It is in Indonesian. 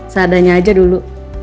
saa adanya aja dulu